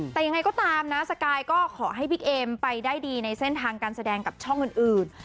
แต่ยังไงก็ตามนะสกายก็ขอให้บิ๊กเอ็มไปได้ดีในเส้นทางการแสดงกับช่องอื่น